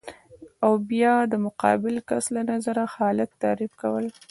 او بیا د مقابل کس له نظره حالت تعریف کول